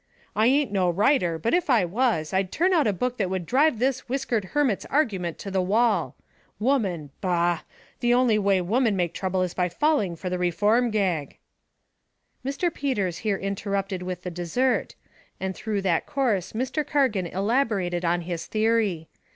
"I ain't no writer, but if I was, I'd turn out a book that would drive this whiskered hermit's argument to the wall. Woman bah! The only way women make trouble is by falling for the reform gag." Mr. Peters here interrupted with the dessert, and through that course Mr. Cargan elaborated on his theory.